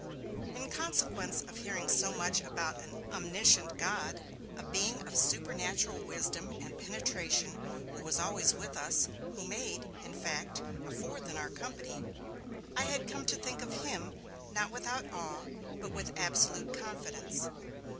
In consequence of hearing so much about an Omniscient God, a being of supernatural wisdom and penetration who was always with us, who made, in fact, a fourth in our company, I had come to think of Him, not without awe, but with absolute confidence.